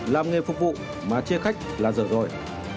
làm nghề phục vụ mà chia khách là dở rồi